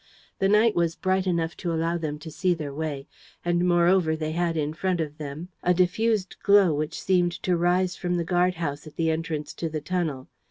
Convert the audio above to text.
The night was bright enough to allow them to see their way; and, moreover, they had in front of them a diffused glow which seemed to rise from the guard house at the entrance to the tunnel.